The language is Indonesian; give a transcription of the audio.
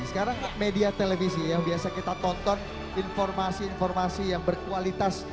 sekarang media televisi yang biasa kita tonton informasi informasi yang berkualitas